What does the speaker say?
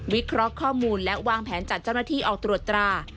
เคราะห์ข้อมูลและวางแผนจัดเจ้าหน้าที่ออกตรวจตรา